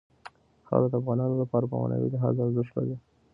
خاوره د افغانانو لپاره په معنوي لحاظ ارزښت لري.